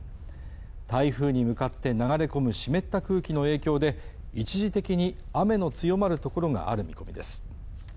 台風に向かって流れ込む湿った空気の影響で一時的に雨の強まる所がある見込みです